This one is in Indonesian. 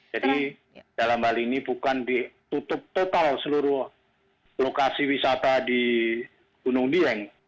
jadi dalam hal ini bukan ditutup total seluruh lokasi wisata di gunung dieng